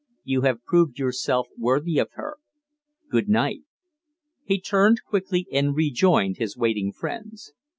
"You have proved yourself worthy of her. Good night." He turned quickly and rejoined his waiting friends.